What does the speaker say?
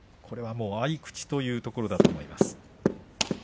これも合い口というところだと思います。